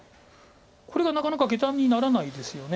これがなかなかゲタにならないですよね。